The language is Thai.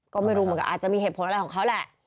ก็ไม่รู้เหมือนกันอาจจะมีเหตุผลอะไรของเขาแหละ